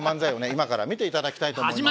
今から見ていただきたいと思います。